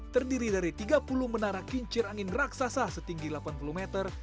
terdiri dari tiga puluh menara kincir angin raksasa setinggi delapan puluh meter